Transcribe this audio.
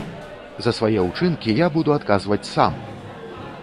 За свае ўчынкі я буду адказваць сам!